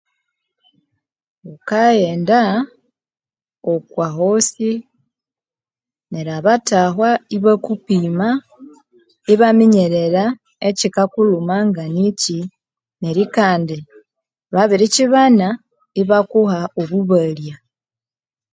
Ukaghenda okwa hosi neryo abathahwa iba kupima iba minyerera ekyi kakulhuma nga nikyi, neryo kandi babiri kyibana iba kuha obu balya